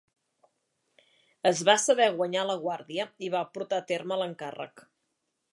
Es va saber guanyar a la guàrdia i va portar a terme l'encàrrec.